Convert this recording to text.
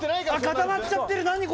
固まっちゃってる何これ！